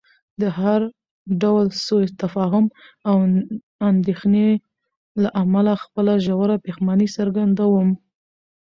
د هر ډول سوء تفاهم او اندېښنې له امله خپله ژوره پښیماني څرګندوم.